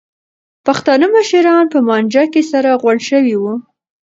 پښتانه مشران په مانجه کې سره غونډ شوي وو.